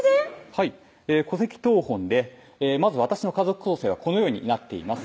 はい戸籍謄本で「まず私の家族構成はこのようになっています」